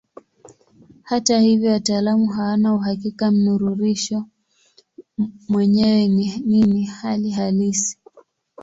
Hata hivyo wataalamu hawana uhakika mnururisho mwenyewe ni nini hali halisi.